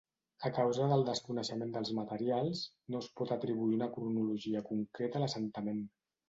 A causa del desconeixement dels materials, no es pot atribuir una cronologia concreta a l'assentament.